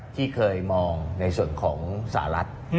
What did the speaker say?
ที่เคยมองในส่วนของสหรัฐ